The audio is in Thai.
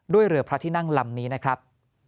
เรือพระที่นั่งลำนี้นะครับ